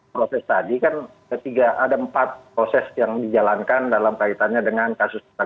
proses tadi kan ketiga ada empat proses yang dijalankan dalam kaitannya dengan kasus